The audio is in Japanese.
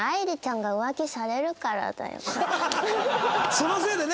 そのせいでね！